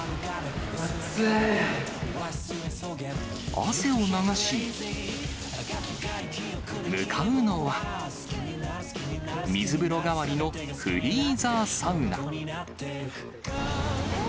汗を流し、向かうのは、水風呂代わりのフリーザーサウナ。